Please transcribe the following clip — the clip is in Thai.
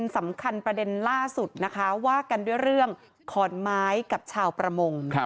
ประเด็นล่าสุดนะคะว่ากันด้วยเรื่องขอนไม้กับชาวประมง